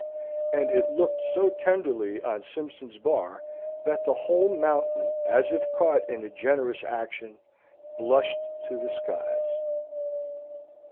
And it looked so tenderly on Simpson's Bar that the whole mountain as if caught in a generous action, blushed to the skies.